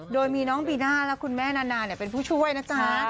โดยมีน้องบีน่าและคุณแม่นานาเป็นผู้ช่วยนะจ๊ะ